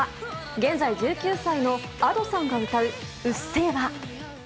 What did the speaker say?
現在１９歳のＡｄｏさんが歌う「うっせぇわ」。